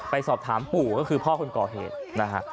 ไปสอบถามปู่ก็คือพ่อคนก่อเหตุนะฮะ